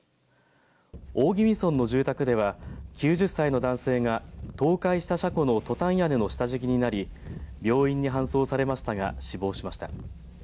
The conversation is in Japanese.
大宜味村の住宅では９０歳の男性が倒壊した車庫のトタン屋根の下敷きになり病院に搬送されましたが死亡しました。